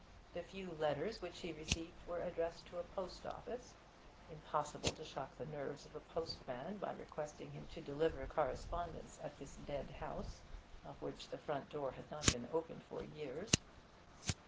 The few letters which he received were addressed to a post office impossible to shock the nerves of a postman by requesting him to deliver correspondence at this dead house, of which the front door had not been opened for years.